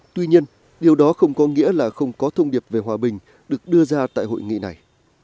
tuy nhiên điều đó không có nghĩa là không có thông điệp về hòa bình được đưa ra tại hội nghị này